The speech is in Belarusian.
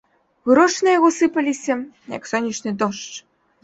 Грошы на яго сыпаліся, як сонечны дождж.